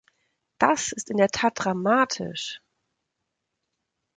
Das ist in der Tat dramatisch.